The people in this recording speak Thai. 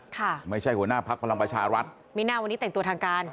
ค่ะไม่ใช่หัวหน้าพักพลังประชารัฐมีหน้าวันนี้แต่งตัวทางการ